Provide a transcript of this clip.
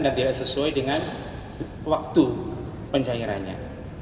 dan tidak sesuai dengan waktu pencairannya